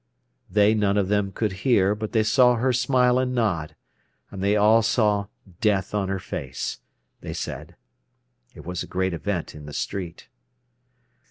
They none of them could hear, but they saw her smile and nod. And they all saw death on her face, they said. It was a great event in the street.